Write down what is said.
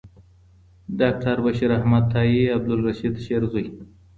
ډاکټر بشيراحمد تايي عبدالرشيد شېرزوى